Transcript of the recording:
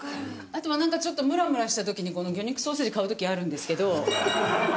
あとはなんかちょっとムラムラした時にこの魚肉ソーセージ買う時あるんですけど。